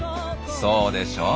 そうでしょう？